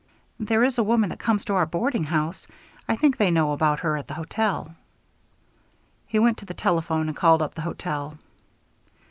"There is a woman that comes to our boarding house. I think they know about her at the hotel." He went to the telephone and called up the hotel.